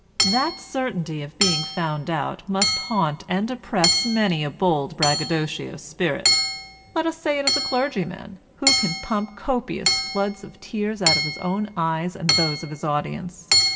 That certainty of being found out must haunt and depress many a bold braggadocio spirit. Let us say it is a clergy man, who can pump copious floods of tears out of his own eyes and those of his audience.